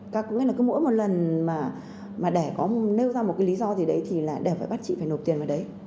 các nghĩa là cứ mỗi một lần mà để có nêu ra một cái lý do gì đấy thì là đều phải bắt chị phải nộp tiền vào đấy